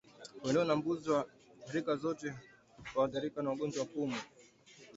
Kondoo na mbuzi wa rika zote huathirika na ugonjwa wa pumu